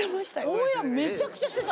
応援はめちゃくちゃしてたの。